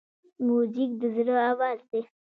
موزیک د زړه آواز دی.